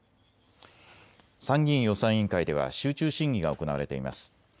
参議院予算委員会では集中審議が行われています。